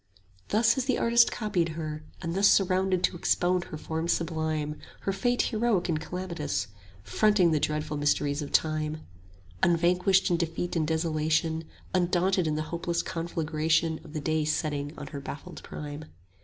Thus has the artist copied her, and thus Surrounded to expound her form sublime, Her fate heroic and calamitous; 45 Fronting the dreadful mysteries of Time, Unvanquished in defeat and desolation, Undaunted in the hopeless conflagration Of the day setting on her baffled prime.